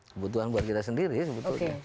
kebutuhan buat kita sendiri sebetulnya